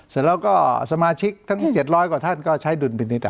เสร็จแล้วก็สมาชิกทั้ง๗๐๐กว่าท่านก็ใช้ดุลพินิษฐ์